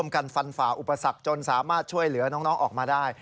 กันฟันฝ่าอุปสรรคจนสามารถช่วยเหลือน้องออกมาได้